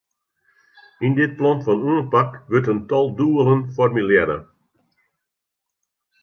Yn dit plan fan oanpak wurdt in tal doelen formulearre.